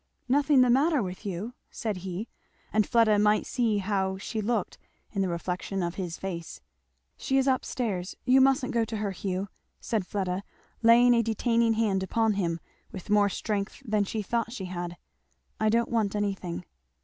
"Nothing the matter with you!" said he, and Fleda might see how she looked in the reflection of his face, "where's mother?" "She is up stairs you mustn't go to her, Hugh!" said Fleda laying a detaining hand upon him with more strength than she thought she had, "I don't want anything."